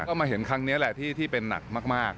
เค้ามาเห็นครั้งนี้ที่เป็นหนักมาก